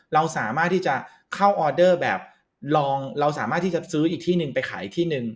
เราสามารถที่จะเข้าออเดอร์แบบลองเราสามารถที่จะซื้ออีกที่หนึ่งไปขายที่หนึ่ง